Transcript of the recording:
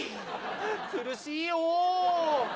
苦しいよ。